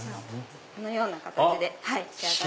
このような形で仕上がってます。